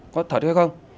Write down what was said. có thật hay không